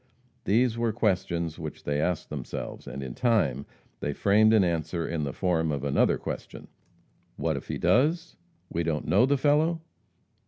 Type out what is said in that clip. These were questions which they asked themselves, and in time they framed an answer in the form of another question, "What if he does? We don't know the fellow?"